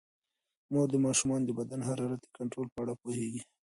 مور د ماشومانو د بدن د حرارت د کنټرول په اړه پوهیږي.